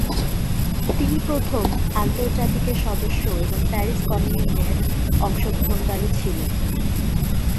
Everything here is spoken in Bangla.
তিনি প্রথম আন্তর্জাতিকের সদস্য এবং প্যারিস কমিউনের অংশগ্রহণকারী ছিলেন।